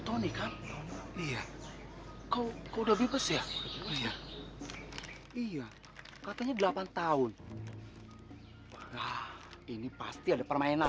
pokoknya setelah kau keluar dari penjara ini kau harus temui aku